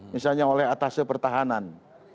misalnya oleh atase pertahanan